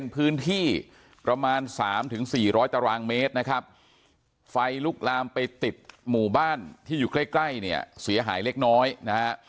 ไปลุกลามไปติดหมู่บ้านที่อยู่ใกล้เนี่ยเสียหายเล็กน้อยนะฮะ